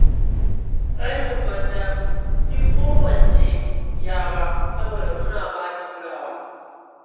'Yar mu bata fi kowacce 'ƴa ba saboda muna ba ta kulawa.